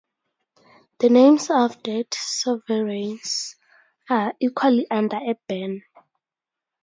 The names of dead sovereigns are equally under a ban.